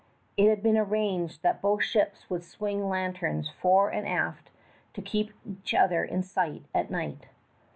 It had been arranged that both ships should swing lanterns fore and aft to keep each other in sight at night.